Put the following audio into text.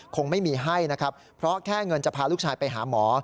คงไม่มีให้นะครับเพราะแค่เงินจะพาลูกชายไปหาหมอ